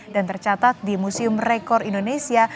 dan tercatat di museum rekor indonesia